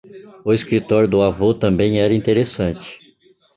O escritório do avô também era interessante.